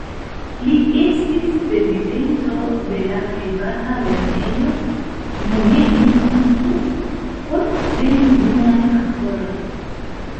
Li estis prezidento de la privata lernejo "Mumei-juku" por trejni junajn aktorojn.